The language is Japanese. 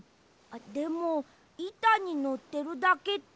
でもいたにのってるだけって。